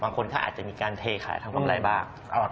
บางคนก็อาจจะมีการเทขายทางกำไรบ้าง